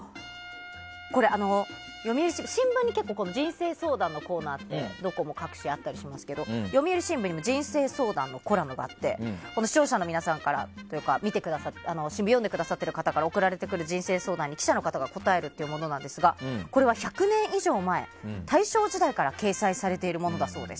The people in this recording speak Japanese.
新聞に人生相談のコーナーってどこも各紙あったりしますけども読売新聞にも人生相談のコラムがあって視聴者の皆さんから新聞読んでくださった方からの人生相談に記者の方が答えるというものなんですが１００年以上前、大正時代から大正時代から掲載されているもの。